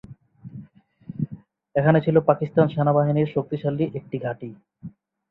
এখানে ছিল পাকিস্তান সেনাবাহিনীর শক্তিশালী একটি ঘাঁটি।